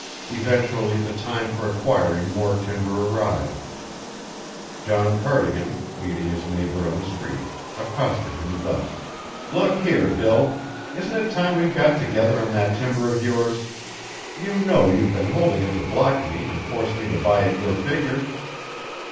Eventually the time for acquiring more timber arrived. John Cardigan, meeting his neighbour on the street, accosted him thus: "Look here, Bill: isn't it time we got together on that timber of yours? You know you've been holding it to block me and force me to buy at your figure."